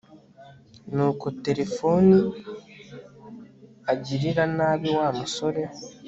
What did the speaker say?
nuko tirifoni agirira nabi wa musore